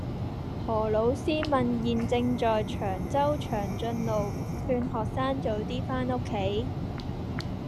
何老師問現正在長洲長俊路勸學生早啲返屋企